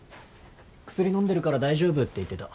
薬飲んでるから大丈夫って言ってた。